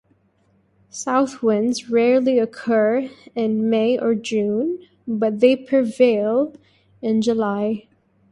South winds rarely occur in May or June, but they prevail in July.